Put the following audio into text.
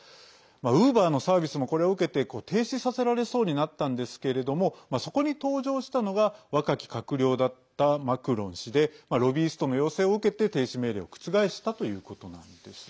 ウーバーのサービスもこれを受けて停止させられそうになったんですけれどもそこに登場したのが若き閣僚だったマクロン氏でロビイストの要請を受けて停止命令を覆したということなんです。